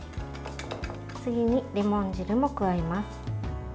次にレモン汁も加えます。